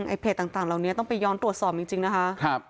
เพจต่างเหล่านี้ต้องไปย้อนตรวจสอบจริงนะคะ